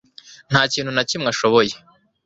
ntakintu nakimwe ashoboye